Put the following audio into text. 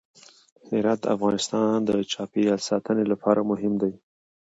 هرات د افغانستان د چاپیریال ساتنې لپاره مهم دي.